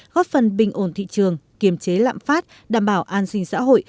góp phần bình ổn thị trường kiềm chế lạm phát đảm bảo an sinh xã hội